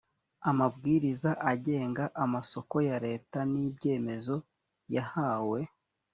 amabwiriza agenga amasoko ya leta n’ibyemezo yahawe